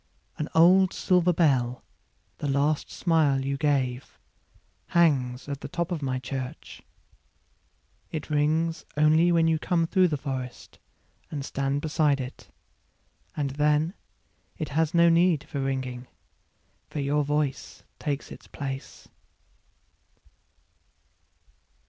An old silver bell, the last smile you gave, Hangs at the top of my church.It rings only when you come through the forestAnd stand beside it. And then, it has no need for ringing, For your voice takes its place.